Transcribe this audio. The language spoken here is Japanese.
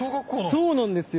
そうなんですよ。